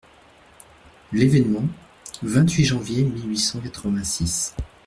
L'ÉVÉNEMENT, vingt-huit janvier mille huit cent quatre-vingt-six.